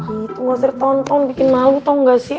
itu gak serah tonton bikin malu tau gak sih